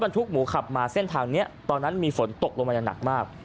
ทุกหมูขับมาเส้นทางนี้ตอนนั้นมีฝนตกลงมาอย่างหนักมาก